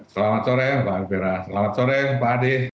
selamat sore pak ari preiss selamat sore pak ade